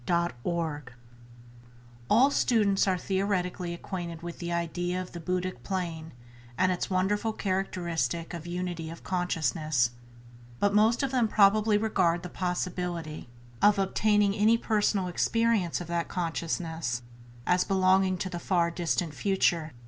Leadbeater All students are theoretically acquainted with the idea of the buddhic plane and its wonderful characteristic of unity of consciousness; but most of them probably regard the possibility of obtaining any personal experience of that consciousness as belonging to the far distant future.